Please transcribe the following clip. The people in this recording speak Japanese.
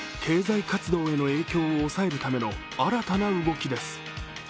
経済活動への影響を抑えるための新たな動きです。